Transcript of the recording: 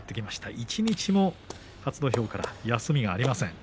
一日も初土俵から休みがありません。